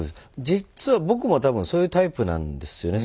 実は僕も多分そういうタイプなんですよね。